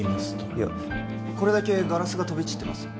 いやこれだけガラスが飛び散ってます